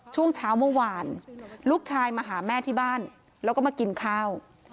ช่วงเช้าเมื่อวานลูกชายมาหาแม่ที่บ้านแล้วก็มากินข้าว